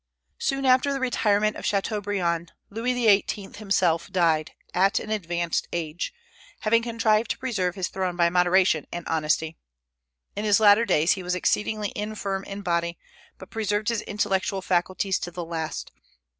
Soon after the retirement of Chateaubriand, Louis XVIII. himself died, at an advanced age, having contrived to preserve his throne by moderation and honesty. In his latter days he was exceedingly infirm in body, but preserved his intellectual faculties to the last.